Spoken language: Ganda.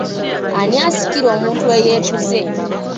Ani asikira omuntu eyeetuga?